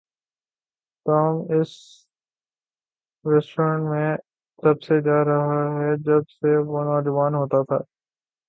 Tom اس restaurant میں تب سے جا رہا ہے جب سے وہ نوجوان ہوتا تھا۔